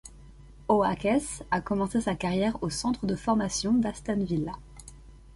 Oakes a commencé sa carrière au centre de formation d'Aston Villa.